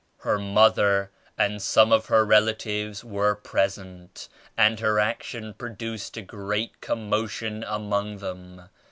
Her mother and some of her rela tives were present and her action produced a great commotion among them.